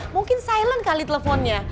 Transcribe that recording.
mungkin silent kali teleponnya